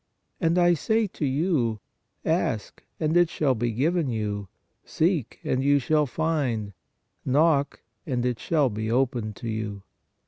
And I say to you : Ask, and it shall be given you ; seek, and you shall find ; knock, and it shall be opened to you.